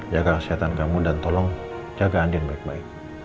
jaga kesehatan kamu dan tolong jaga andien baik baik